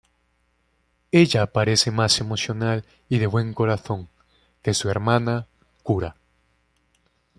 Ella parece más emocional y de buen corazón que su hermana, Kura.